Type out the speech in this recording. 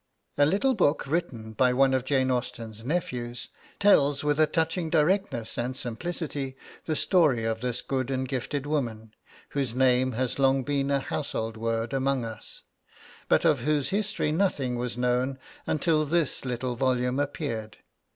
A little book, written by one of Jane Austen's nephews, tells with a touching directness and simplicity the story of this good and gifted woman, whose name has long been a household word among us, but of whose history nothing was known until this little volume appeared.